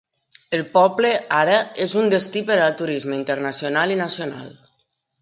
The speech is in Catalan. El poble ara és un destí per al turisme internacional i nacional.